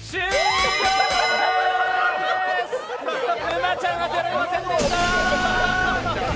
沼ちゃん、当てられませんでした！